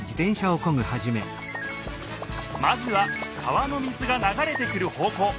まずは川の水がながれてくる方こう。